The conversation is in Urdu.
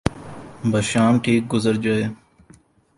بس شام ٹھیک گزر جائے۔